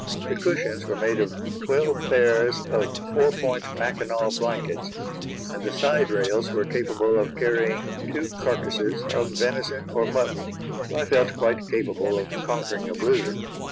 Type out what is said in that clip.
The cushions were made of twelve pairs of four point Mackinaw blankets, and the side rails were capable of carrying two carcasses of venison or mutton, so I felt quite capable of conquering a blizzard.